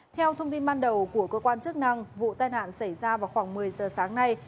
theo thông tin ban đầu của cơ quan chức năng vụ tai nạn xảy ra vào khoảng một mươi giờ sáng nay